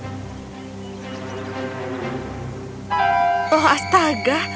dia menarik kain dan terkejut melihatnya